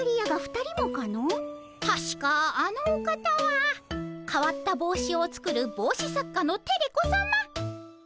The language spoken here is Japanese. たしかあのお方はかわった帽子を作る帽子作家のテレ子さま。